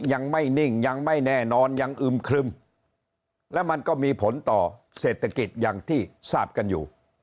ยังไม่นิ่งยังไม่แน่นอนยังอึมครึมและมันก็มีผลต่อเศรษฐกิจอย่างที่ทราบกันอยู่